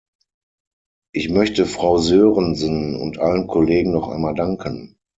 Ich möchte Frau Sörensen und allen Kollegen noch einmal danken.